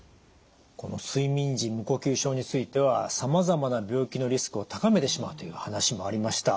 この睡眠時無呼吸症についてはさまざまな病気のリスクを高めてしまうという話もありました。